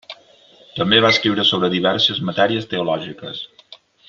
També va escriure sobre diverses matèries teològiques.